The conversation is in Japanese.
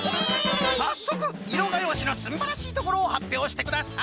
さっそくいろがようしのすんばらしいところをはっぴょうしてください。